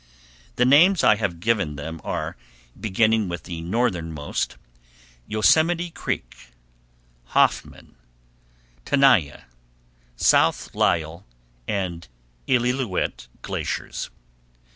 The names I have given them are, beginning with the northern most, Yosemite Creek, Hoffman, Tenaya, South Lyell, and Illilouette Glaciers.